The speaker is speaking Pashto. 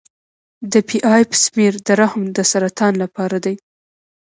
د پی ایپ سمیر د رحم د سرطان لپاره دی.